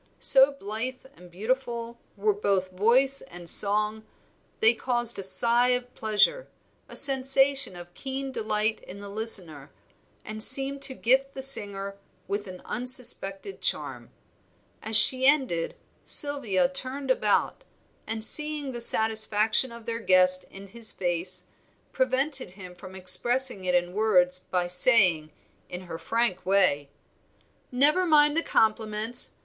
So blithe and beautiful were both voice and song they caused a sigh of pleasure, a sensation of keen delight in the listener, and seemed to gift the singer with an unsuspected charm. As she ended Sylvia turned about, and seeing the satisfaction of their guest in his face, prevented him from expressing it in words by saying, in her frank way "Never mind the compliments.